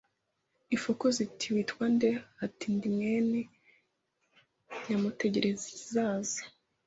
Ifuku ziti Witwa nde Ati Ndi mwene Nyamutegerikizaza